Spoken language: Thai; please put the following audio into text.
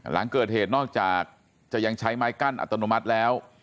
หลังเกิดเหตุนอกจากจะยังใช้ไม้กั้นอัตโนมัติแล้ว